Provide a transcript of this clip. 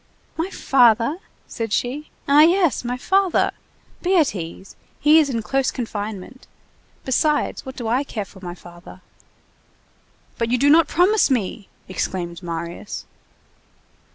"My father!" said she. "Ah yes, my father! Be at ease. He's in close confinement. Besides, what do I care for my father!" "But you do not promise me!" exclaimed Marius.